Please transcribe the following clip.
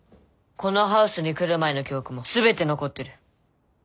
このハウスに来る前の記憶も全て残ってる。